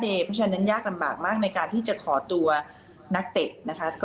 เพราะฉะนั้นยากลำบากมากในการที่จะขอตัวนักเตะนะคะ